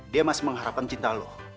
dia masih mengharapkan cinta lo